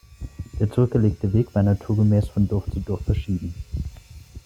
Der zurückgelegte Weg war naturgemäß von Dorf zu Dorf verschieden.